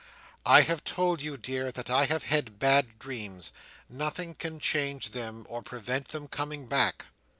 I have told you, dear, that I have had bad dreams. Nothing can change them, or prevent them coming back."